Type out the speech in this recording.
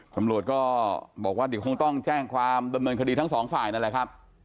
ตำรวจก็บอกว่าเดี๋ยวคงต้องแจ้งความดำเนินคดีทั้งสองฝ่ายนั่นแหละครับ